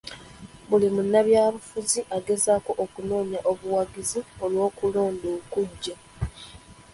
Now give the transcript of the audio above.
Buli munnabyabufuzi agezaako okunoonya obuwagizi olw'okulonda okujja.